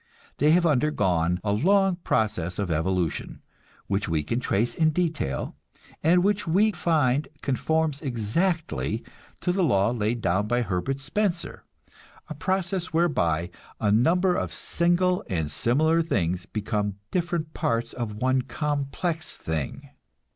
They have undergone a long process of evolution, which we can trace in detail, and which we find conforms exactly to the law laid down by Herbert Spencer; a process whereby a number of single and similar things become different parts of one complex thing.